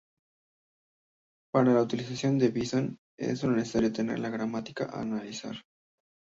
Para la utilización de Bison, es necesaria tener la gramática a analizar.